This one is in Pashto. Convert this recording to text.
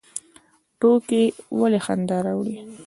ټوکې ولې خندا راوړي؟